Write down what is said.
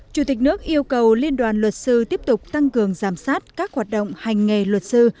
chủ tịch nước yêu cầu liên đoàn luật sư tiếp tục tăng cường giám sát các hoạt động hành nghề luật sư